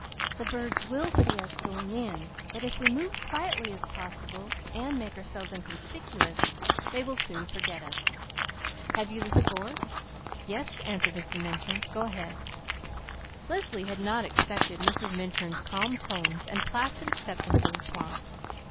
The birds will see us going in, but if we make ourselves inconspicuous, they will soon forget us. Have you the score?" "Yes," answered Mrs. Minturn. "Go ahead!" Leslie had not expected Mrs. Minturn's calm tones and placid acceptance of the swamp.